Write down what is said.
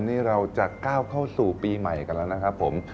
นี่เราจะก้าวเข้าสู่ปีใหม่กันแล้วนะครับผม